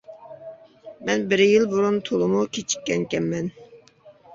مەن بىر يىل بۇرۇن تولىمۇ كىچىككەنمەن.